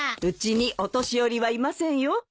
うちにお年寄りはいませんよ。